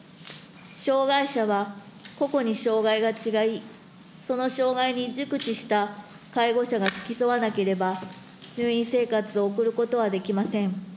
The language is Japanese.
障害者は個々に障害が違い、その障害に熟知した介護者が付き添わなければ、入院生活を送ることはできません。